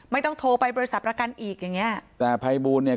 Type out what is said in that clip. ไม่ต้องโทรไปบริษัทประกันอีกอย่างเงี้ยแต่ภัยบูลเนี่ย